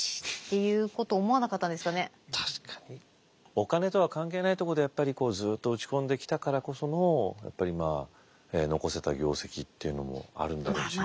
お金とは関係ないとこでやっぱりずっと打ち込んできたからこそのやっぱりまあ残せた業績っていうのもあるんだろうしね。